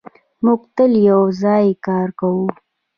موږ تل یو ځای کار کوو.